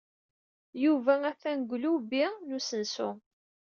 Yuba atan deg ulubi n usensu.